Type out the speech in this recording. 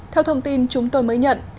theo thông tin chúng tôi mới nhận